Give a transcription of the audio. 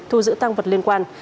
thu giữ tăng vật liên quan